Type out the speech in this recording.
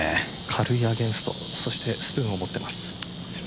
軽いアゲンストそしてスプーンを持っています。